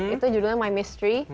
itu judulnya my mystery